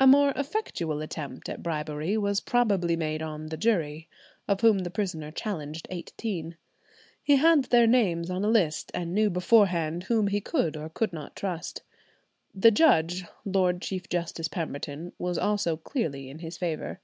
A more effectual attempt at bribery was probably made on the jury, of whom the prisoner challenged eighteen. He had their names on a list, and knew beforehand whom he could or could not trust. The judge, Lord Chief Justice Pemberton, was also clearly in his favour.